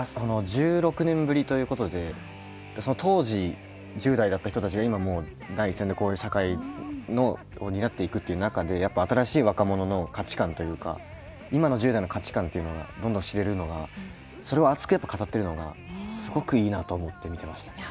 １６年ぶりということで当時、１０代だった人たちが今、こういう社会を担っていくっていう中でやっぱ、新しい若者の価値観というか今の１０代の価値観をどんどん知れるのがそれを熱く語ってるのがすごくいいなと思って見てました。